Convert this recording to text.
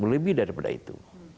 lebih daripada itu